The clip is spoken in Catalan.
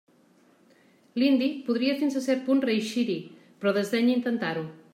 L'indi podria fins a cert punt reeixir-hi, però desdenya intentar-ho.